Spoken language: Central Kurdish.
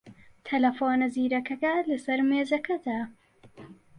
تەلەفۆنە زیرەکەکە لەسەر مێزەکەتە.